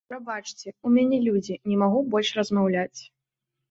Прабачце, у мяне людзі, не магу больш размаўляць.